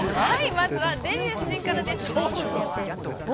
◆まずは「デビュー夫人」からです、どうぞ。